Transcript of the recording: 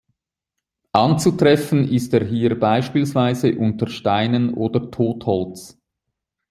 Anzutreffen ist er hier beispielsweise unter Steinen oder Totholz.